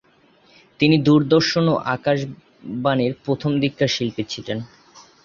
তিনি দূরদর্শন ও আকাশবাণীর প্রথম দিককার শিল্পী ছিলেন।